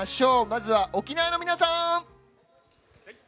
まずは沖縄の皆さん！